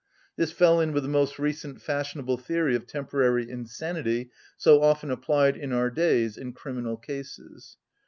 This fell in with the most recent fashionable theory of temporary insanity, so often applied in our days in criminal cases.